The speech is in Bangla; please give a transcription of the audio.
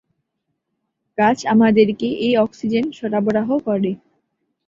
গাছ আমাদেরকে এ অক্সিজেন সরবরাহ করে।